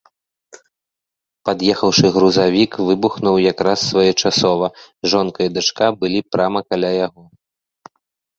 Пад'ехаўшы грузавік выбухнуў як раз своечасова, жонка і дачка былі прама каля яго.